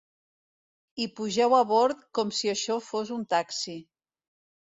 I pugeu a bord com si això fos un taxi.